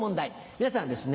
皆さんはですね